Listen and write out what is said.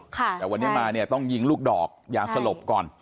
แต่วันนี้มาเนี่ยต้องยิงลูกดอกยาสลบก่อน